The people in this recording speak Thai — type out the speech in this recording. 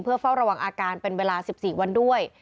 เฝ้าระวังอาการเป็นเวลา๑๔วันด้วย